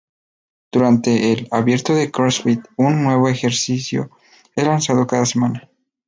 Durante el "Abierto de CrossFit", un nuevo ejercicio es lanzado cada semana.